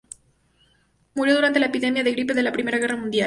Murió durante la epidemia de gripe de la primera guerra mundial.